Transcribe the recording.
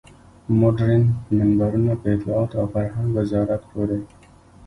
مډرن منبرونه په اطلاعاتو او فرهنګ وزارت پورې.